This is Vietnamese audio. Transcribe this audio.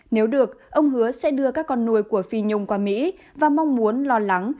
nếu được ông hứa sẽ đưa các con nuôi của phi nhung qua mỹ và mong muốn lo lắng